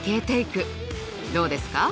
どうですか？